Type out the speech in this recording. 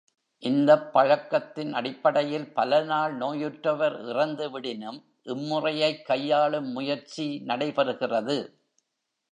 இந்தப் பழக் கத்தின் அடிப்படையில், பல நாள் நோயுற்றவர் இறந்து விடினும் இம்முறையைக் கையாளும் முயற்சி நடைபெறுகிறது.